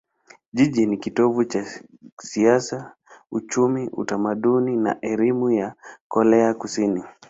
Jiji ni kitovu cha siasa, uchumi, utamaduni na elimu ya Korea Kusini.